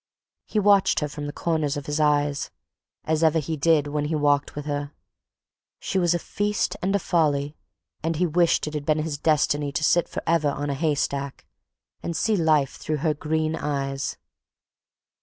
He watched her from the corners of his eyes as ever he did when he walked with her—she was a feast and a folly and he wished it had been his destiny to sit forever on a haystack and see life through her green eyes.